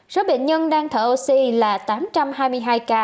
số bệnh nhân đang thở oxy là tám trăm hai mươi hai ca